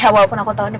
ya walaupun aku tau nih